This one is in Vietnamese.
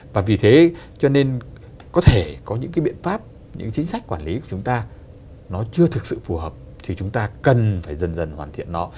và vì thế cho nên có thể có những cái biện pháp những chính sách quản lý của chúng ta nó chưa thực sự phù hợp thì chúng ta cần phải dần dần hoàn thiện nó